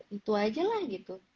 itu aja lah gitu